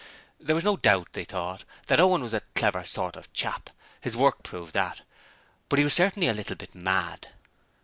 There was no doubt, they thought, that Owen was a clever sort of chap: his work proved that: but he was certainly a little bit mad.